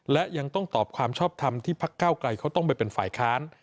และยังต้องตอบความชอบทำที่พักเก้าไกลเขาต้องไปเป็นฝ่ายค้าน